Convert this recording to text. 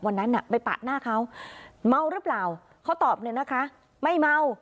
วันนั้นน่ะไปปะหน้าเขาเมาหรือเปล่าเขาตอบเลยนะคะไม่เมา